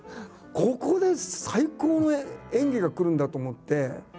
ここで最高の演技がくるんだと思って。